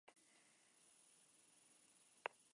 Fue el segundo de once hijos, el primero varón.